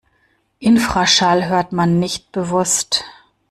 Infraschall hört man nicht bewusst.